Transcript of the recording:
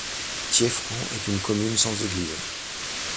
Thieffrans est une commune sans église.